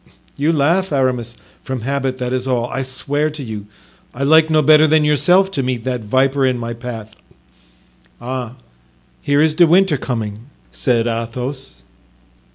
"You laugh Aramis." "From habit, that is all. I swear to you, I like no better than yourself to meet that viper in my path." "Ah! here is De Winter coming," said Athos.